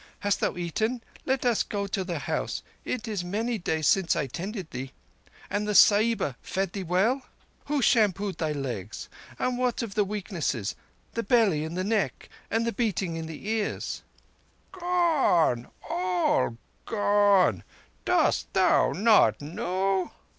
Hast thou eaten? Let us go to the house. It is many days since I tended thee. And the Sahiba fed thee well? Who shampooed thy legs? What of the weaknesses—the belly and the neck, and the beating in the ears?" "Gone—all gone. Dost thou not know?"